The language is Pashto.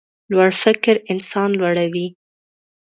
لوړ فکر انسان لوړوي.